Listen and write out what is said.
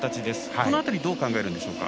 この辺りどう考えるんでしょうか。